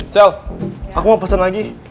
cell aku mau pesen lagi